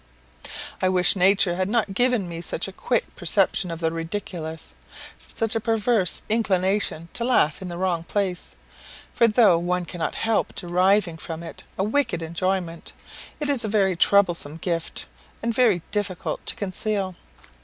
I wish nature had not given me such a quick perception of the ridiculous such a perverse inclination to laugh in the wrong place; for though one cannot help deriving from it a wicked enjoyment, it is a very troublesome gift, and very difficult to conceal.